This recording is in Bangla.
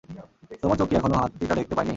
তোমার চোখ কী এখনও হাতিটা দেখতে পায়নি?